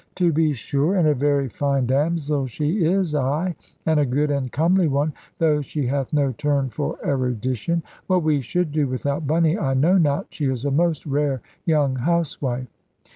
"To be sure, and a very fine damsel she is, ay, and a good and comely one; though she hath no turn for erudition. What we should do without Bunny I know not. She is a most rare young housewife."